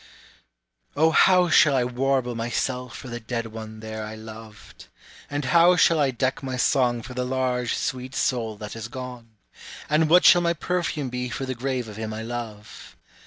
O how shall I warble myself for the dead one there I loved? And how shall I deck my song for the large sweet soul that has gone? And what shall my perfume be for the grave of him I love?